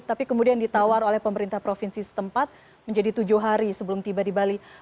tapi kemudian ditawar oleh pemerintah provinsi setempat menjadi tujuh hari sebelum tiba di bali